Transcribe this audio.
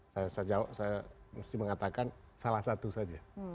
saya jawab saya mesti mengatakan salah satu saja